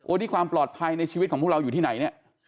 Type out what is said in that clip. นี่ความปลอดภัยในชีวิตของพวกเราอยู่ที่ไหนเนี่ย